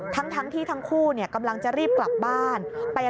ทั้งที่ทั้งคู่กำลังจะรีบกลับบ้าน